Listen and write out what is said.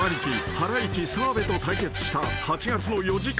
ハライチ澤部と対決した８月の４時間